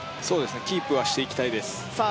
キープはしていきたいですさあ